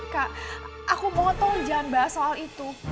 kak aku mau tuh jangan bahas soal itu